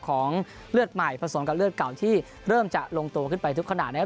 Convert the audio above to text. ของเลือดใหม่ผสมกับเลือดเก่าที่เริ่มจะลงตัวขึ้นไปทุกขนาดนะครับ